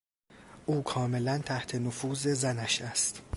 او کاملا تحت نفوذ زنش است.